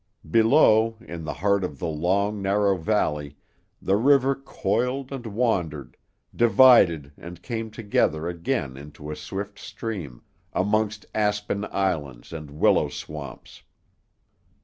Below, in the heart of the long, narrow valley, the river coiled and wandered, divided and came together again into a swift stream, amongst aspen islands and willow swamps.